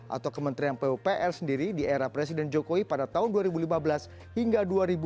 atau kementerian pupr sendiri di era presiden jokowi pada tahun dua ribu lima belas hingga dua ribu dua puluh